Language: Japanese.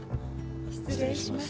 失礼します。